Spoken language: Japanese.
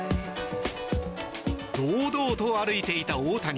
堂々と歩いていた大谷。